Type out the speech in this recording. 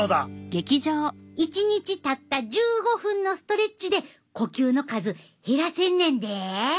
１日たった１５分のストレッチで呼吸の数減らせんねんで。